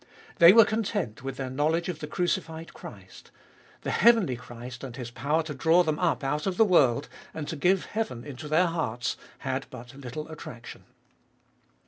They were content with their knowledge of the crucified Christ; the heavenly Christ, and His power to draw Gbe fcolfest of ail 197 them up out of the world, and to give heaven into their hearts, had but little attraction.